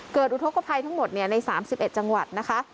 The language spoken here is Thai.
เกิดอุทกภัยทั้งหมดเนี่ยในสามสิบเอ็ดจังหวัดนะคะ